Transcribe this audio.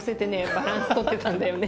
バランスとってたんだよね。